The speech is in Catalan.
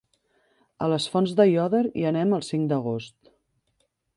A les Fonts d'Aiòder hi anem el cinc d'agost.